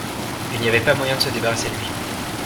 Il n’y avait pas moyen de se débarrasser de lui.